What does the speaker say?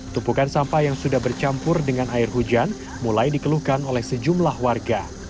tumpukan sampah yang sudah bercampur dengan air hujan mulai dikeluhkan oleh sejumlah warga